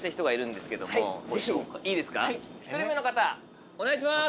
１人目の方お願いします。